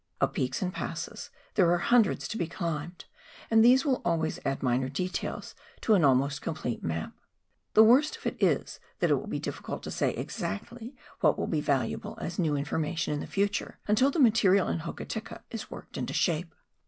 Of peaks and passes there are hundreds to be climbed, and these will always add minor details to an almost complete map. The worst of it is that it will be difficult to say exactly what will be valuable as new informa tion in the future, until the material in Hokitika is worked into shape.